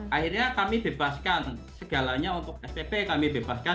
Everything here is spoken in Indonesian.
akhirnya kami bebaskan segalanya untuk spp kami bebaskan